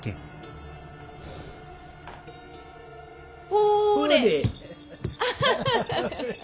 ほれ。